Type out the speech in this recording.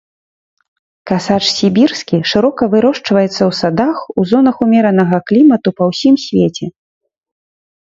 Касач сібірскі шырока вырошчваецца ў садах у зонах умеранага клімату па ўсім свеце.